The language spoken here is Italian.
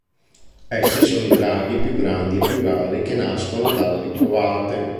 Essi sono i draghi più grandi e più rari che nascono dalle covate.